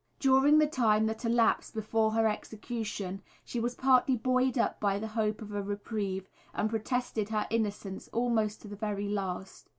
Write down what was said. During the time that elapsed before her execution she was partly buoyed up by the hope of a reprieve, and protested her innocence almost to the very last.